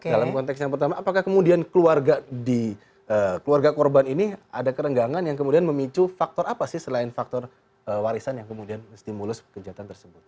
dalam konteks yang pertama apakah kemudian keluarga di keluarga korban ini ada kerenggangan yang kemudian memicu faktor apa sih selain faktor warisan yang kemudian stimulus kejahatan tersebut